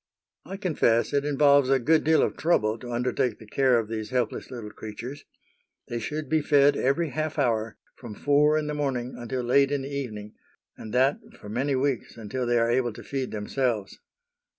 I confess it involves a good deal of trouble to undertake the care of these helpless little creatures. They should be fed every half hour, from four in the morning until late in the evening, and that for many weeks until they are able to feed themselves.